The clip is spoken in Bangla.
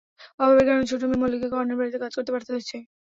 অভাবের কারণে ছোট মেয়ে মল্লিকাকে অন্যের বাড়িতে কাজ করতে পাঠাতে হয়েছে।